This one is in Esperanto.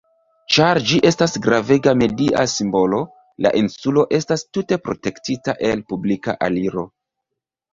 Ĉar ĝi estas gravega media simbolo, la insulo estas tute protektita el publika aliro.